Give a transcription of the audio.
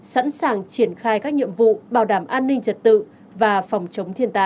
sẵn sàng triển khai các nhiệm vụ bảo đảm an ninh trật tự và phòng chống thiên tai